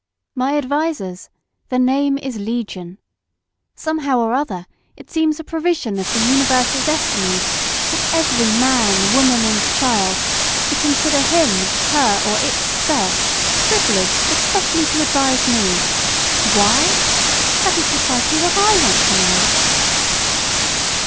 "My advisers! Their name is legion. Somehow or other, it seems a provision of the universal destinies, that every man, woman, and child should consider him, her, or itself privileged especially to advise me. Why? That is precisely what I want to know."